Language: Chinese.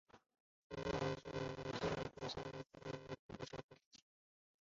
利特尔罗克是位于美国加利福尼亚州洛杉矶县的一个人口普查指定地区。